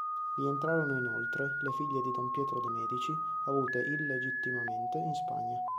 Vi entrarono inoltre le figlie di don Pietro de' Medici, avute illegittimamente in Spagna.